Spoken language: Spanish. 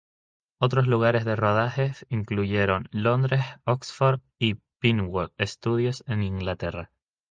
Otros lugares de rodaje incluyeron Londres, Oxford y Pinewood Studios en Inglaterra.